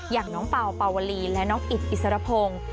อย่างน้องเป่าเป่าวลีและน้องอิดอิสรพงศ์